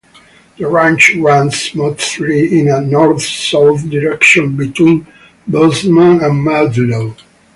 The range runs mostly in a north-south direction between Bozeman and Maudlow.